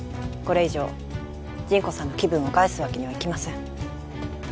これ以上ジンコさんの気分を害すわけにはいきません